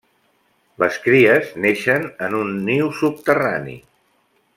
Les cries neixen en un niu subterrani.